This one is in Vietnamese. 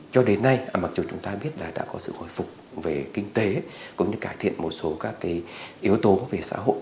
cho đến nay mặc dù chúng ta biết là đã có sự hồi phục về kinh tế cũng như cải thiện một số các cái yếu tố về xã hội